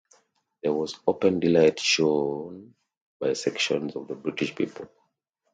There was open delight shown by sections of the British people.